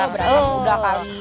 beranak muda kali